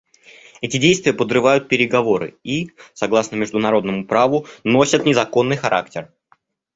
Эти действия подрывают переговоры и, согласно международному праву, носят незаконный характер.